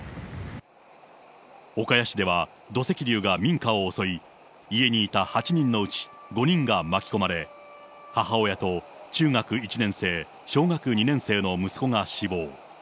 岡谷市では土石流が民家を襲い、家にいた８人のうち５人が巻き込まれ、母親と中学１年生、小学２年生の息子が死亡。